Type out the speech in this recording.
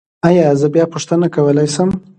ایا زه بیا پوښتنه کولی شم؟